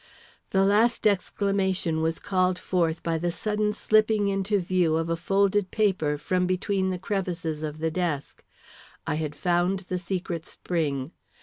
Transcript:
The last exclamation was called forth by the sudden slipping into view of a folded paper from between the crevices of the desk. I had found the secret spring.